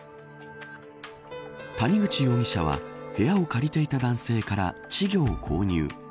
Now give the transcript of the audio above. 谷口容疑者は、部屋を借りていた男性から稚魚を購入。